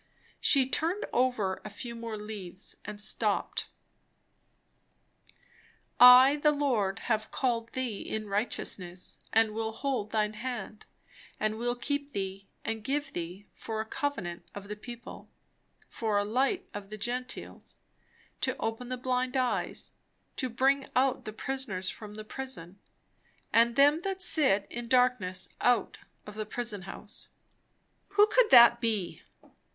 She turned over a few more leaves and stopped. "I the Lord have called thee in righteousness, and will hold thine hand, and will keep thee, and give thee for a covenant of the people, for a light of the Gentiles; to open the blind eyes, to bring out the prisoners from the prison, and them that sit in darkness out of the prison house." Who could that be?